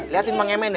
liatin pengemen ya